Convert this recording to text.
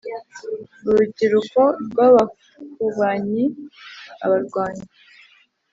urubyiruko rw’abakubanyi (abarwanyi)